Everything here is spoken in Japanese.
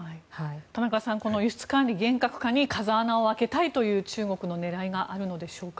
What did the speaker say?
田中さんこの輸出管理厳格化に風穴を開けたいという中国の狙いがあるんでしょうか。